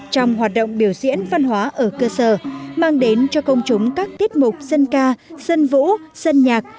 trong hoạt động biểu diễn văn hóa ở cơ sở mang đến cho công chúng các tiết mục dân ca dân vũ dân nhạc